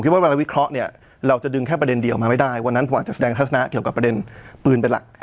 ว่าเวลาวิเคราะห์เนี่ยเราจะดึงแค่ประเด็นเดียวมาไม่ได้วันนั้นผมอาจจะแสดงทัศนะเกี่ยวกับประเด็นปืนเป็นหลัก